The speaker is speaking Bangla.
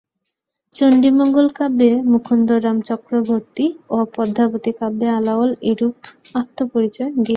চন্ডীমঙ্গল কাব্যে মুকুন্দরাম চক্রবর্তী ও পদ্মাবতী কাব্যে আলাওল এরূপ আত্মপরিচয় দিয়েছেন।